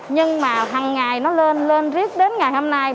nhưng mà hằng ngày nó lên lên riết đến ngày hôm nay